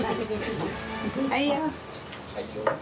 はいよ！